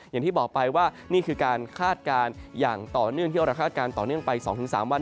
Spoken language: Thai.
อย่างที่บอกไปว่านี่คือการคาดการณ์อย่างต่อเนื่องที่เราคาดการณ์ต่อเนื่องไป๒๓วัน